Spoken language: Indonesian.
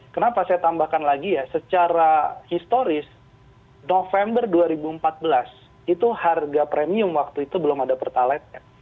kenapa saya tambahkan lagi ya secara historis november dua ribu empat belas itu harga premium waktu itu belum ada pertaletnya